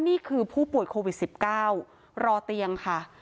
นี่คือผู้ป่วยโควิด๑๙รอเตียงค่ะ